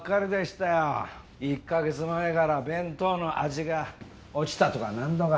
１カ月前から弁当の味が落ちたとかなんとか。